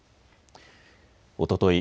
おととい